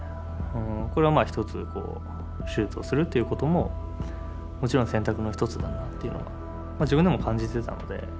これは一つ手術をするということももちろん選択の一つだなっていうのは自分でも感じてたので。